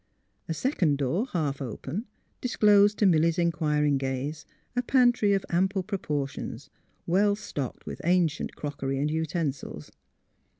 A second door, half open, disclosed to Milly 's inquiring gaze a pantry of ample propor tions, well stocked with ancient crockery and uten sils.